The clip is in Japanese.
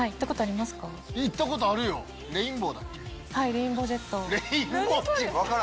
レインボージェット。